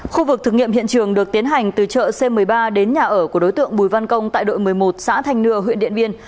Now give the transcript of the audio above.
khu vực thực nghiệm hiện trường được tiến hành từ chợ c một mươi ba đến nhà ở của đối tượng bùi văn công tại đội một mươi một xã thanh nưa huyện điện biên